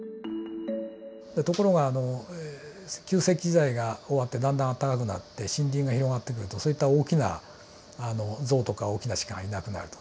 ところが旧石器時代が終わってだんだんあったかくなって森林が広がってくるとそういった大きなゾウとか大きなシカがいなくなると。